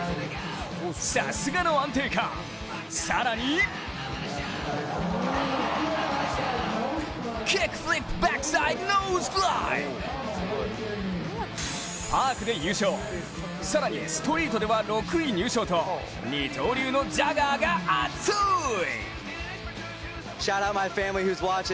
さすがの安定感、更にキックフリップ・バックサイド・ノーズグラインドパークで優勝、更にストリートでは６位入賞と二刀流のジャガーが熱い！